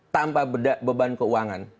tanpa beban keuangan